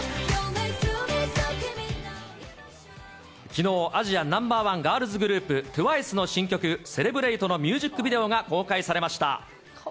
きのう、アジアナンバー１ガールズグループ、ＴＷＩＣＥの新曲、セレブレイトのミュージックビデオが公開されました。